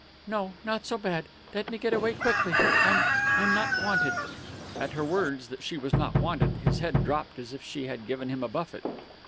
"No not so bad let me get away quickly I'm I'm not wanted." At her words, that she was not wanted, his head dropped as if she had given him a buffet.